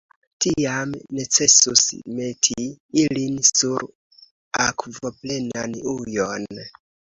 Tiam necesus meti ilin sur akvoplenan ujon.